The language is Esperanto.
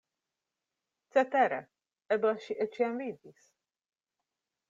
Cetere, eble ŝi eĉ jam vidis!